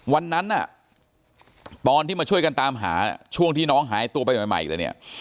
วันนั้นน่ะตอนที่มาช่วยกันตามหาช่วงที่น้องหายตัวไปใหม่เลยเนี่ย